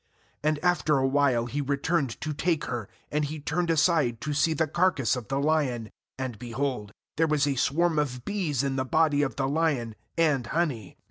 8And after a while he returned to take her, and he turned aside to see the carcass of the lion; and, behold, there was a swarm of bees in the body of the lion, and honey.